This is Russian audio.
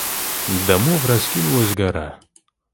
Домов раскинулась гора.